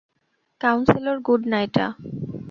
Counsellor good না এটা?